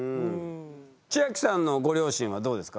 千明さんのご両親はどうですか？